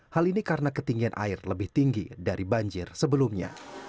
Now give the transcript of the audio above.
hal ini karena ketinggian air lebih tinggi dari banjir sebelumnya